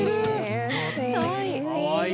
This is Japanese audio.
かわいい。